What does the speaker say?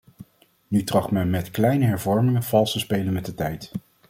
Nu tracht men met kleine hervormingen vals te spelen met de tijd.